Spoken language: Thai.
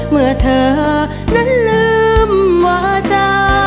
เมื่อเธอนั้นลืมวาจา